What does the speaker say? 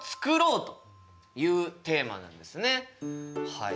はい。